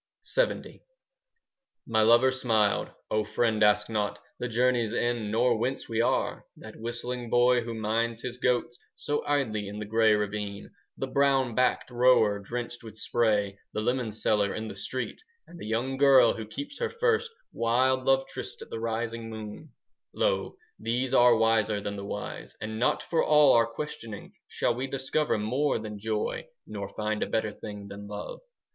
LXX My lover smiled, "O friend, ask not The journey's end, nor whence we are. That whistling boy who minds his goats So idly in the grey ravine, "The brown backed rower drenched with spray, 5 The lemon seller in the street, And the young girl who keeps her first Wild love tryst at the rising moon,— "Lo, these are wiser than the wise. And not for all our questioning 10 Shall we discover more than joy, Nor find a better thing than love!